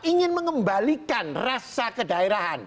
ingin mengembalikan rasa kedaerahan